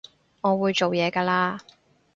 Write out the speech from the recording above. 我會做嘢㗎喇